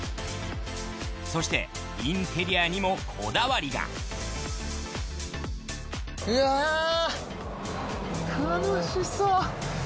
そしてインテリアにもこだわりがうわぁ！